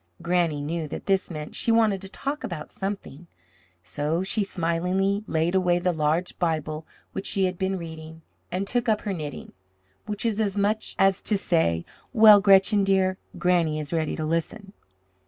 Granny knew that this meant she wanted to talk about something, so she smilingly laid away the large Bible which she had been reading, and took up her knitting, which was as much as to say: "Well, Gretchen, dear, Granny is ready to listen."